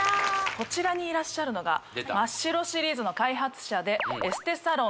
こちらにいらっしゃるのがマ・シロシリーズの開発者でエステサロン